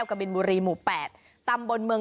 ส่วนเมนูที่ว่าคืออะไรติดตามในช่วงตลอดกิน